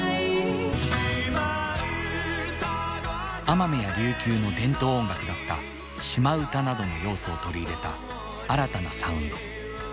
奄美や琉球の伝統音楽だった島唄などの要素を取り入れた新たなサウンド。